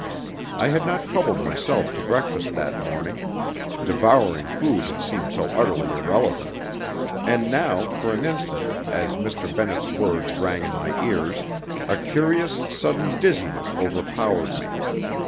I had not troubled myself to breakfast that morning devouring food had seemed so utterly irrelevant and now for an instant, as Mr. Bennett's words rang in my ears, a curious sudden dizziness overpowered me.